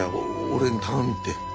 俺に頼みって。